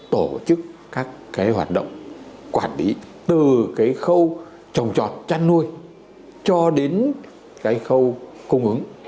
tổ chức các cái hoạt động quản lý từ cái khâu trồng trọt chăn nuôi cho đến cái khâu cung ứng